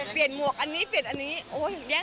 เปลี่ยนหมวกเป็นครับ